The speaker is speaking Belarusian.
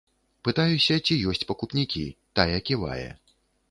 Пытаюся, ці ёсць пакупнікі, тая ківае.